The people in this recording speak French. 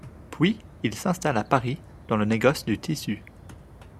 Puis, il s’installe à Paris dans le négoce du tissu.